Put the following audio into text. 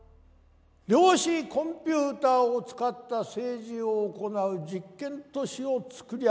量子コンピューターを使った政治を行う実験都市を作り上げました。